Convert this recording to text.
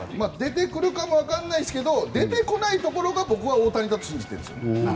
出てくるかもわからないですけど出てこないところが僕は大谷だから信じてるんです。